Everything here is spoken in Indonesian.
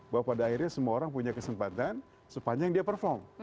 bahwa pada akhirnya semua orang punya kesempatan sepanjang dia perform